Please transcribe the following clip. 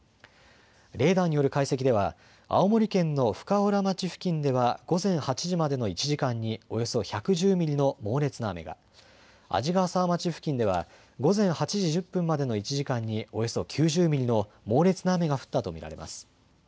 レーダーによる解析では青森県の深浦町付近では午前８時までの１時間におよそ１１０ミリの猛烈な雨が、鰺ヶ沢町付近では午前８時１０分までの１時間におよそ９０ミリの猛烈な雨が降ったと見られます。